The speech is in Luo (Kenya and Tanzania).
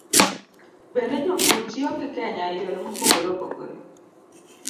Bende, jopur tiyo gi Kenya e yore mopogore opogore.